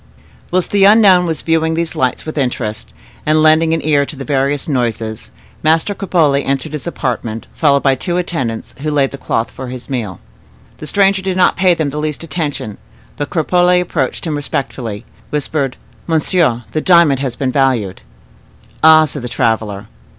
Whilst the unknown was viewing these lights with interest, and lending an ear to the various noises, Master Cropole entered his apartment, followed by two attendants, who laid the cloth for his meal. The stranger did not pay them the least attention; but Cropole approaching him respectfully, whispered, "Monsieur, the diamond has been valued." "Ah!" said the traveler.